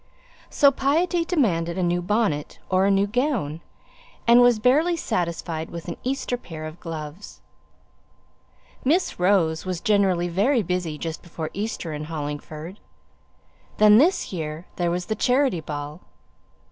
So piety demanded a new bonnet, or a new gown; and was barely satisfied with an Easter pair of gloves. Miss Rose was generally very busy just before Easter in Hollingford. Then this year there was the charity ball.